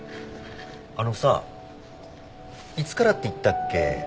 あのさあいつからって言ったっけ？